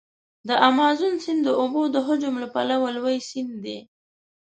د امازون سیند د اوبو د حجم له پلوه لوی سیند دی.